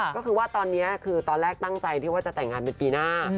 ก็คือว่าตอนนี้คือตอนแรกตั้งใจที่ว่าจะแต่งงานเป็นปีหน้า